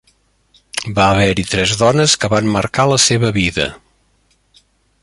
Va haver-hi tres dones que van marcar la seva vida.